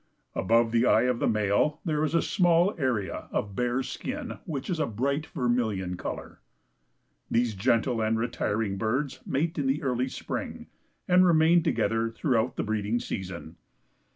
Above the eye of the male there is a small area of bare skin, which is a bright vermilion color. These gentle and retiring birds mate in the early spring and remain together through the breeding season.